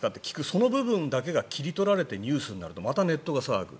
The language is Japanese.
その部分だけが切り取られて、ニュースになるとまたネットが騒ぐ。